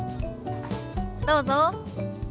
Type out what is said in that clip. どうぞ。